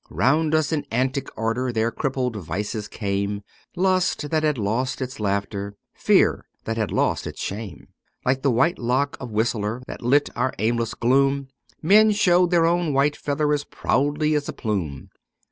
Round us in antic order their crippled vices came — Lust that had lost its laughter, fear that had lost its shame. Like the white lock of Whistler, that lit our aimless gloom. Men showed their own white feather as proudly as a piume.